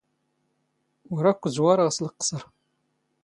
ⵓⵔ ⴰⴽⴽⵯ ⵣⵡⴰⵔⵖ ⵙ ⵍⵇⵇⵚⵕ.